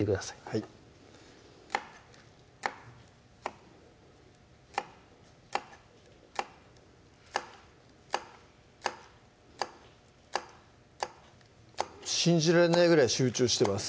はい信じられないぐらい集中してます